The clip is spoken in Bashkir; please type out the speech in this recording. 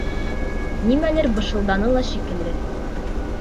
Нимәлер бышылданы ла шикелле.